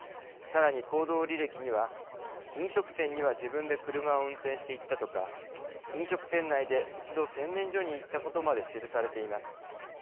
さらに行動履歴には飲食店には自分で車を運転していったとか飲食店内で一度洗面所にいったことまで記されています。